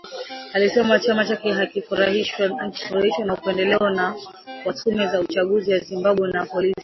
Alisema chama chake hakijafurahishwa na upendeleo wa tume ya uchaguzi ya Zimbabwe na polisi.